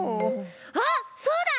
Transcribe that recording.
あっそうだ！